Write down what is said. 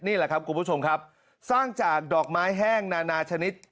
นี่แหละครับคุณผู้ชมครับสร้างจากดอกไม้แห้งนานาชนิด